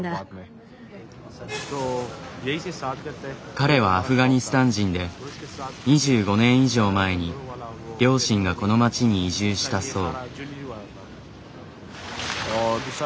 彼はアフガニスタン人で２５年以上前に両親がこの街に移住したそう。